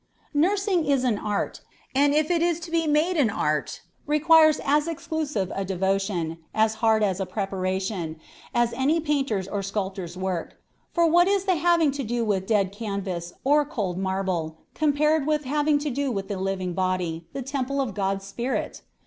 "Nursing is an art; and if it is to be made an art, requires as exclusive a devotion, as hard a preparation, as any painter's or sculptor's work; for what is the having to do with dead canvas or cold marble compared with having to do with the living body, the temple of God's Spirit?